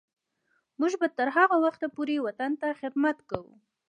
موږ به تر هغه وخته پورې وطن ته خدمت کوو.